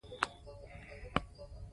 موږ به دا هېواد پخپله اباد کړو.